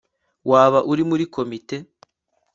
Waba uri muri komite